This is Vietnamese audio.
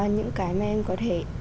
những cái mà em có thể